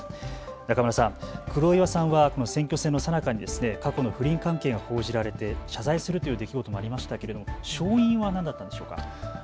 中村さん、黒岩さんはこの選挙戦のさなかに過去の不倫関係が報じられて謝罪するという出来事もありましたけれども勝因は何だったんでしょうか。